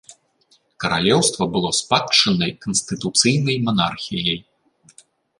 Каралеўства было спадчыннай канстытуцыйнай манархіяй.